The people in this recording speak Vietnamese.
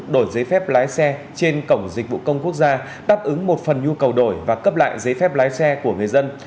đổi giấy phép lái xe trên cổng dịch vụ công quốc gia đáp ứng một phần nhu cầu đổi và cấp lại giấy phép lái xe của người dân